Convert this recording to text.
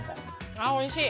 ああおいしい。